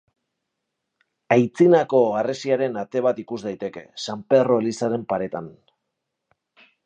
Aitzinako harresiaren ate bat ikus daiteke, San Pedro elizaren paretan.